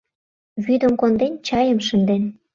Вӱдым конден, чайым шынден